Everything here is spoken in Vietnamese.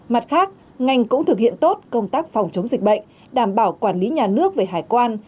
mặt khác ngành cũng thực hiện tốt công tác phòng chống dịch bệnh đảm bảo quản lý nhà nước về hải quan